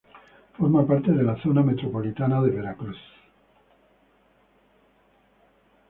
Forma parte de la Zona Metropolitana de Veracruz.